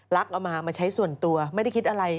เอามามาใช้ส่วนตัวไม่ได้คิดอะไร